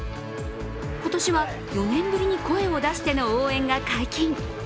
今年は４年ぶりに声を出しての応援が解禁。